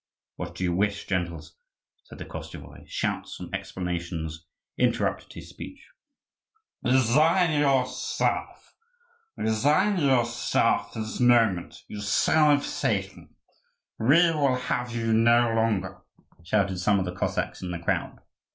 what do you wish, gentles?" said the Koschevoi. Shouts and exclamations interrupted his speech. "Resign your staff! resign your staff this moment, you son of Satan! we will have you no longer!" shouted some of the Cossacks in the crowd.